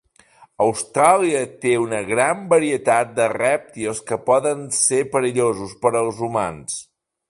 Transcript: Austràlia té una gran varietat de rèptils que poden ser perillosos per als humans.